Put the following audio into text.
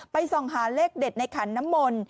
ส่องหาเลขเด็ดในขันน้ำมนต์